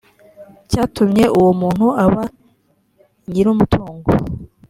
cyatumye uwo muntu aba nyir umutungo